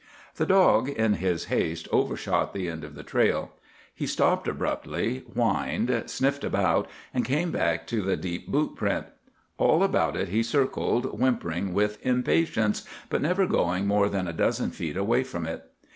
The dog, in his haste, overshot the end of the trail. He stopped abruptly, whined, sniffed about, and came back to the deep boot print. All about it he circled, whimpering with impatience, but never going more than a dozen feet away from it.